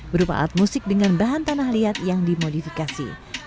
berupa alat musik dengan bahan tanah liat yang dimodifikasi